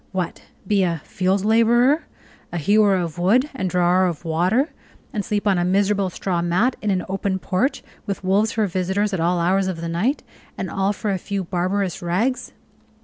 What! be a field laborer, a hewer of wood and drawer of water, and sleep on a miserable straw mat in an open porch, with wolves for visitors at all hours of the night, and all for a few barbarous rags!